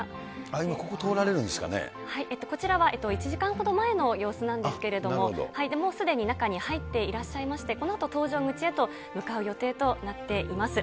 今、こちらは１時間ほど前の様子なんですけれども、もうすでに中に入っていらっしゃいまして、このあと搭乗口へと向かう予定となっています。